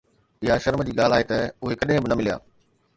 اها شرم جي ڳالهه آهي ته اهي ڪڏهن به نه مليا